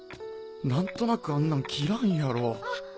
何となくあんなん切らんやろ。